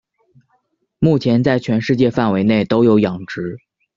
目前在全世界范围内都有养殖。